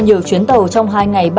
nhiều chuyến tàu trong hai ngày